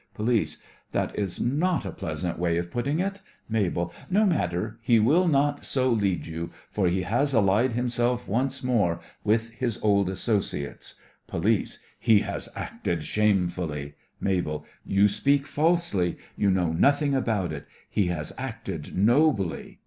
POLICE: That is not a pleasant way of putting it. MABEL: No matter; he will not so lead you, for he has allied himself once more with his old associates. POLICE: He has acted shamefully! MABEL: You speak falsely. You know nothing about it. He has acted nobly.